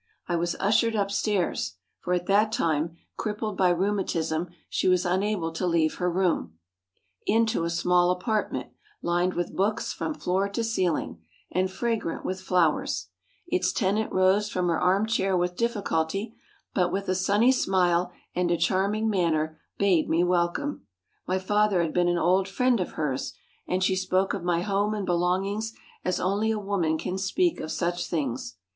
I was ushered upstairs (for at that time, crippled by rheumatism, she was unable to leave her room) into a small apartment, lined with books from floor to ceiling, and fragrant with flowers; its tenant rose from her arm chair with difficulty, but with a sunny smile and a charming manner bade me welcome. My father had been an old friend of hers, and she spoke of my home and belongings as only a woman can speak of such things.